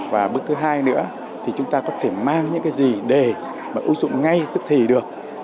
và bước thứ hai nữa thì chúng ta có thể mang những cái gì để mà ưu dụng ngay tức thì được